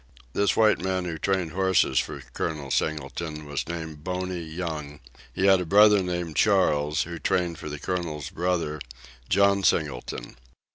This white man who trained horses for Col. Singleton was named Boney Young; he had a brother named Charles, who trained for the colonel's brother, John Singleton.